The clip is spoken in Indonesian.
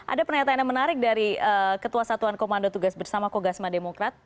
ada pernyataan yang menarik dari ketua satuan komando tugas bersama kogasma demokrat